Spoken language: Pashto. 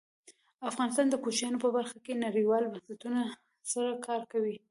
افغانستان د کوچیانو په برخه کې نړیوالو بنسټونو سره کار کوي.